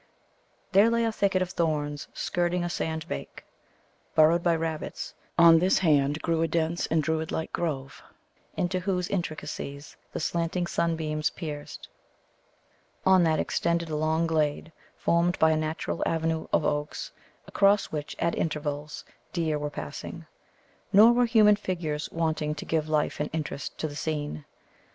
There lay a thicket of thorns skirting a sand bank, burrowed by rabbits, on this hand grew a dense and Druid like grove, into whose intricacies the slanting sunbeams pierced; on that extended a long glade, formed by a natural avenue of oaks, across which, at intervals, deer were passing. Nor were human figures wanting to give life and interest to the scene.